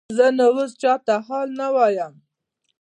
زه نو اوس چاته حال نه وایم.